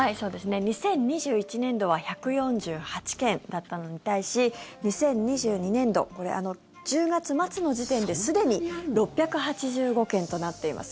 ２０２１年度は１４８件だったのに対し２０２２年度、１０月末の時点ですでに６８５件となっています。